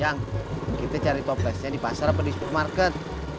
yang kita cari toplesnya di pasar apa di supermarket